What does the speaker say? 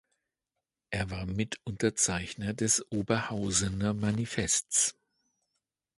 Er war Mitunterzeichner des Oberhausener Manifests.